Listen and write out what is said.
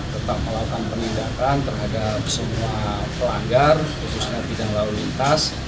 tetap melakukan penindakan terhadap semua pelanggar khususnya bidang lalu lintas